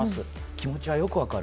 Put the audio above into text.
気持ちはよく分かる。